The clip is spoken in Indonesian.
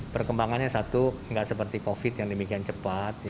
perkembangannya satu nggak seperti covid yang demikian cepat